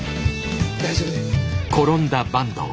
大丈夫です。